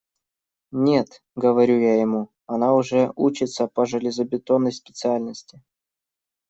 «Нет, – говорю я ему, – она уже учится по железобетонной специальности».